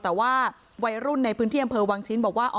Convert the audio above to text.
แต่ว่าวัยรุ่นในพื้นที่อำเภอวังชิ้นบอกว่า